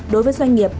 đối với doanh nghiệp